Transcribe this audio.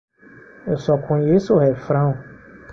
Eu só conheço o refrão.